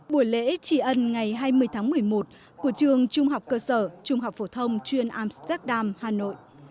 buổi lễ tri ân ngày hai mươi tháng một mươi một của trường trung học cơ sở trung học phổ thông chuyên amsterdam hà nội